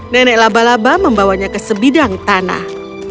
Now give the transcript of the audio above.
nenek labalaba membawanya ke sebidang tanah